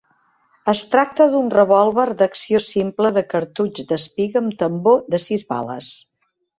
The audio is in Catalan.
Es tracta d'un revòlver d'acció simple de cartutx d'espiga amb tambor de sis bales.